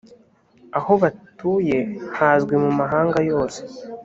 aho batuye hazwi mu mahanga yose.